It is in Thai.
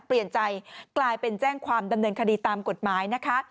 เปลี่ยนใจกลายเป็นแจ้งความดำเนินคดีตามกฎหมายนะคะ